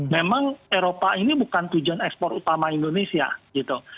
memang eropa ini bukan tujuan ekspor utama indonesia gitu